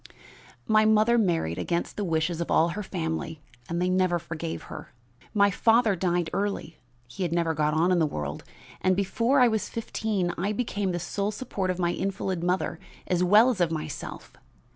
"My mother married against the wishes of all her family and they never forgave her. My father died early he had never got on in the world and before I was fifteen I became the sole support of my invalid mother as well as of myself.